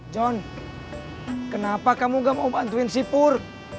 john kenapa kamu gak mau bantuin si pur